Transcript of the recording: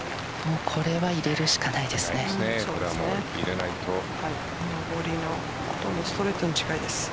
これは入れるしかないですね。